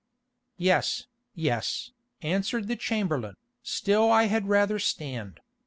"Yes, yes," answered the chamberlain, "still I had rather stand.